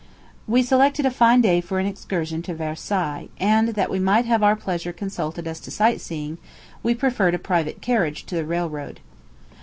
We selected a fine day for an excursion to Versailles; and, that we might have our pleasure consulted as to sight seeing, we preferred a private carriage to the railroad.